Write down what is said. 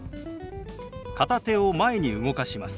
片手を前に動かします。